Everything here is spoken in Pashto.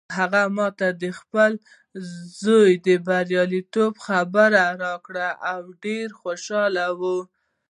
هغې ما ته د خپل زوی د بریالیتوب خبر راکړ او ډېره خوشحاله وه